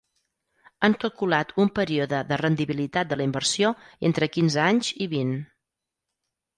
Han calculat un període de rendibilitat de la inversió entre quinze anys i vint.